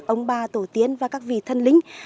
ông bà tổ tiến và các vị thân linh